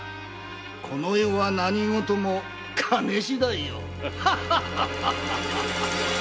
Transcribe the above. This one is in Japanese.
この世は何事も金しだいよ。